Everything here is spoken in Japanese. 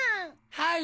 はい。